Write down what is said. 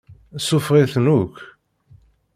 Suffeɣ-iten akk.